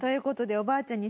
おばあちゃんは。